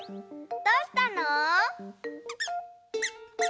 どうしたの？